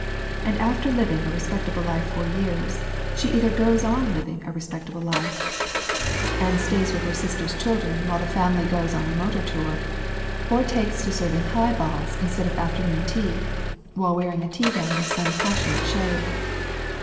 And after living a respectable life for years she either goes on living a respectable life, and stays with her sister's children while the family goes on a motor tour, or takes to serving high balls instead of afternoon tea, while wearing a teagown of some passionate shade.